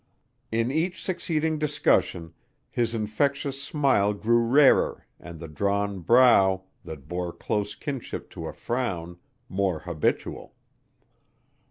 In each succeeding discussion, his infectious smile grew rarer and the drawn brow, that bore close kinship to a frown, more habitual.